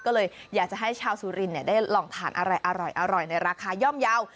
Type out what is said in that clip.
ก็เลยอยากจะให้ชาวสุรินทร์ได้ลองทานอะไรอร่อยในราคาย่อมเยาว์